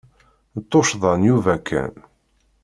D tuccḍa n Yuba kan.